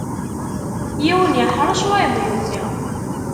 Yiwen iḥṛec, wayeḍ yuki.